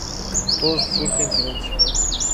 Todo surge en silencio.